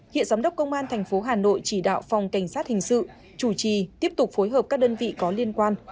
hiện giám đốc công an tp hà nội chỉ đạo phòng cảnh sát hình sự chủ trì tiếp tục phối hợp các đơn vị có liên quan